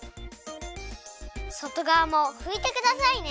外がわもふいてくださいね。